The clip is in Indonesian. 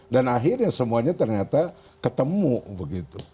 dan akhirnya semuanya ternyata ketemu begitu